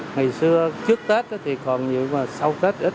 ngày xưa trước tết thì còn nhiều mà sau tết ít